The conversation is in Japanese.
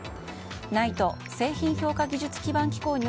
ＮＩＴＥ・製品評価技術基盤機構に